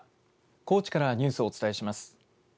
高知からニュースをお伝えします。